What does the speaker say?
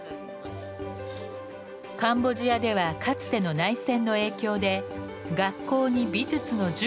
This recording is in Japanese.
カンボジアではかつての内戦の影響で学校に美術の授業がありません。